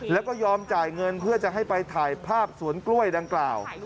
แล้วก็ยอมจ่ายเงินเพื่อจะให้ไปถ่ายภาพสวนกล้วยดังกล่าว